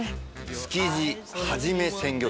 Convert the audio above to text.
築地はじめ鮮魚店さん。